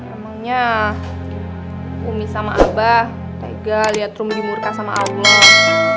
emangnya ummi sama abah tegal lihat rumi dimurka sama allah